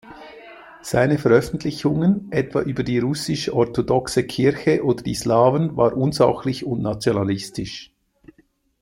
Seine Veröffentlichungen, etwa über die Russisch-orthodoxe Kirche oder die Slawen waren unsachlich und nationalistisch.